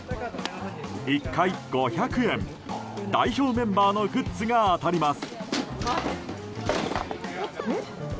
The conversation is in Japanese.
１回５００円、代表メンバーのグッズが当たります。